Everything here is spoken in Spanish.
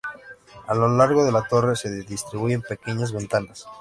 A lo largo de la torre se distribuyen pequeñas ventanas.